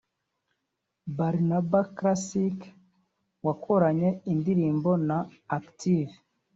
Barnaba Classic wakoranye indirimbo na Active